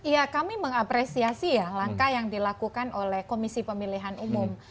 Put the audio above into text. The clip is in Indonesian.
ya kami mengapresiasi ya langkah yang dilakukan oleh komisi pemilihan umum